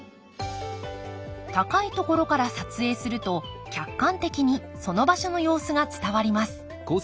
高い所から撮影すると客観的にその場所の様子が伝わります。